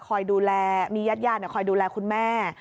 คอยดูแลมีญาติญาติคอยดูแลคุณแม่